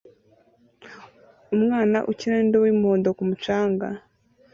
Umwana ukina n'indobo y'umuhondo ku mucanga